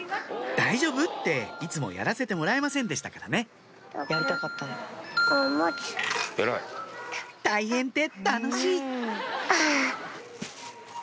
大丈夫っていつもやらせてもらえませんでしたからね「大変って楽しい！」